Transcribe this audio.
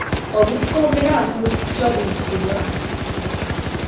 Obutiko obumera waggulu ku kiswa buyitibwa?